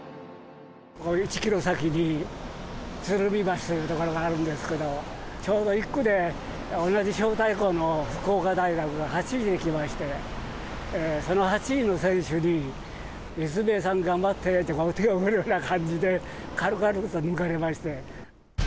この１キロ先に、鶴見橋というところがあるんですけど、ちょうど１区で同じ招待校の福岡大学が８位で来まして、その８位の選手に、立命さん、頑張ってって、手を振るような感じで、軽々と抜かれまして。